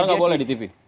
sekarang tidak boleh di tv